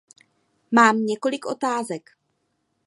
Mám několik otázek.